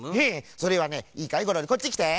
それはねいいかいゴロリこっちきて。